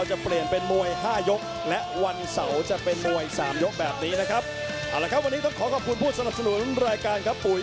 ไทยคุณภาพเต็มแม็กซ์ครับ